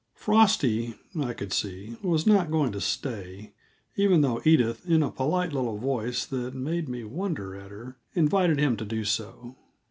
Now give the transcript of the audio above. Frosty, I could see, was not going to stay, even though Edith, in a polite little voice that made me wonder at her, invited him to do so.